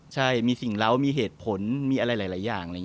ใช่มีสิ่งเหล้ามีเหตุผลมีอะไรหลายอย่าง